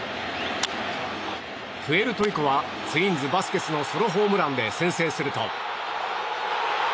プエルトリコは、ツインズバスケスのソロホームランで先制すると。